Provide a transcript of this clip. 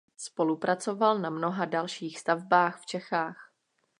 Spolupracoval na mnoha dalších stavbách v Čechách.